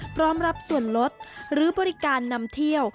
พร้อมรับส่วนลดหรือบริการนำเที่ยว